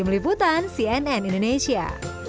kebutuhan cnn indonesia